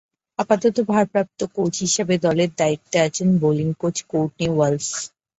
আপাতত ভারপ্রাপ্ত কোচ হিসেবে দলের দায়িত্বে আছেন বোলিং কোচ কোর্টনি ওয়ালশ।